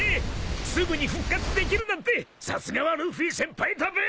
［すぐに復活できるなんてさすがはルフィ先輩だべ！］